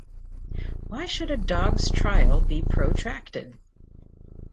Why should a dog's trial be protracted?